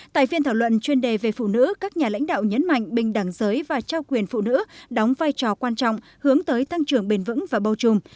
tại phiên thảo luận chuyên đề về phụ nữ các nhà lãnh đạo nhấn mạnh bình đẳng giới và trao quyền phụ nữ đóng vai trò quan trọng hướng tới tăng trưởng bền vững và bao trùm